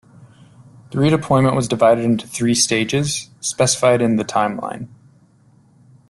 The redeployment was divided into three stages, specified in the "Time line".